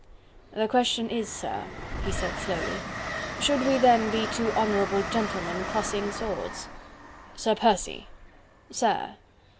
"The question is, sir," he said slowly, "should we then be two honourable gentlemen crossing swords?" "Sir Percy..." "Sir?"